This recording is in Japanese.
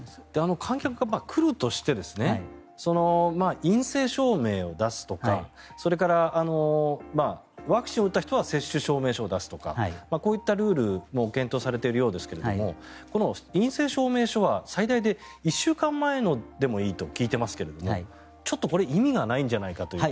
観客が来るとして陰性証明を出すとかそれから、ワクチンを打った人は接種証明書を出すとかこういったルールも検討されているようですが陰性証明書は最大で１週間前でもいいと聞いていますけれどちょっと意味がないんじゃないかという。